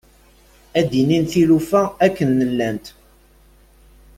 Ad d-inin tilufa akken llant.